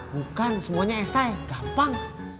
bukan semuanya esay gampang